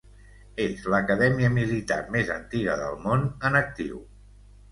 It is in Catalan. És l'acadèmia militar més antiga del món en actiu.